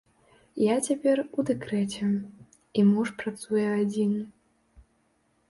Я цяпер у дэкрэце, і муж працуе адзін.